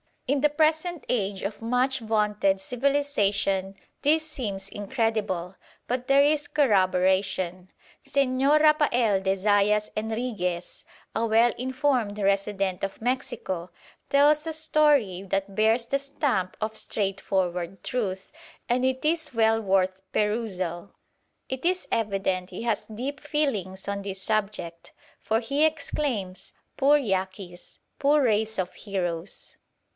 In the present age of much vaunted civilisation this seems incredible, but there is corroboration. Señor Rapael de Zayas Enrigues, a well informed resident of Mexico, tells a story that bears the stamp of straightforward truth, and it is well worth perusal. It is evident he has deep feelings on this subject, for he exclaims: 'Poor Yaquis! poor race of heroes!'